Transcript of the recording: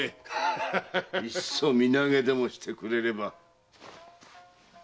いっそ身投げでもしてくれれば。